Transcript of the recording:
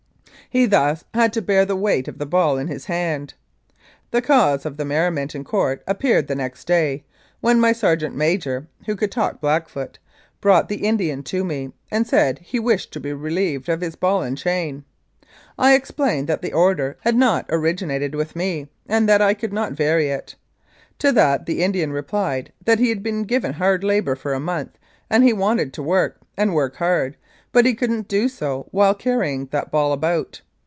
He thus had to bear the weight of the ball in his hand. The cause of the merriment in court appeared the next day, when my sergeant major (who could talk Blackfoot) brought the Indian to me, and said he wished to be relieved of his ball and chain. I explained that the order had not originated with me, and that I could not vary it. To that the Indian replied that he had been given hard labour for a month and he wanted to work, and work hard, but he couldn't do so while carrying that ball about.